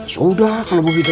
sudah kalau begitu